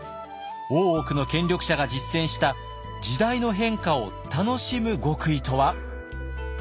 大奥の権力者が実践した時代の変化を楽しむ極意とは？